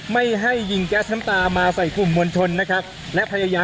ทางกลุ่มมวลชนทะลุฟ้าทางกลุ่มมวลชนทะลุฟ้า